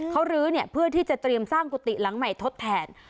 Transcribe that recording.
เขารื้อเนี่ยเพื่อที่จะเตรียมสร้างกุฏิหลังใหม่ทดแทน